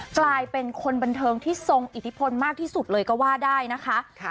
กลายเป็นคนบันเทิงที่ทรงอิทธิพลมากที่สุดเลยก็ว่าได้นะคะ